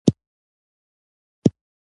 د اغیزمنو خبرو لپاره مناسب چینل انتخاب کړئ.